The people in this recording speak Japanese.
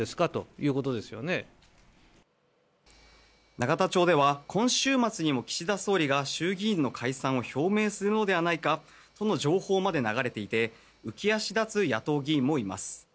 永田町では今週末にも岸田総理が衆議院の解散を表明するのではないかとの情報まで流れていて浮足立つ野党議員もいます。